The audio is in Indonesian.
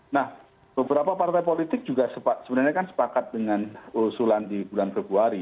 nah beberapa partai politik juga sebenarnya kan sepakat dengan usulan di bulan februari